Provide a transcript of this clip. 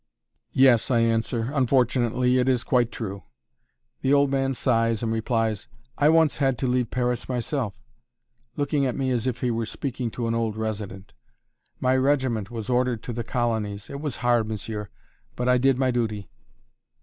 "Yes," I answer; "unfortunately, it is quite true." The old man sighs and replies: "I once had to leave Paris myself"; looking at me as if he were speaking to an old resident. "My regiment was ordered to the colonies. It was hard, monsieur, but I did my duty."